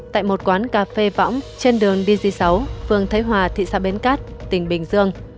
tại một quán cà phê võng trên đường dgi sáu phường thế hòa thị xã bến cát tỉnh bình dương